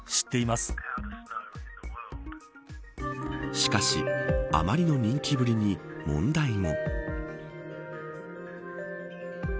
しかしあまりの人気ぶりに問題も。